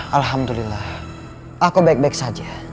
alhamdulillah aku baik baik saja